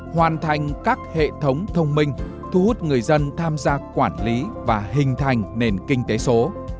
hoàn thành các hệ thống thông minh thu hút người dân tham gia quản lý và hình thành nền kinh tế số